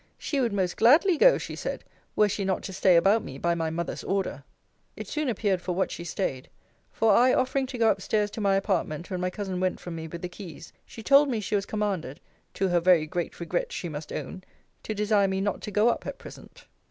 She would most gladly go, she said, were she not to stay about me by my mother's order. It soon appeared for what she staid; for I offering to go up stairs to my apartment when my cousin went from me with the keys, she told me she was commanded (to her very great regret, she must own) to desire me not to go up at present.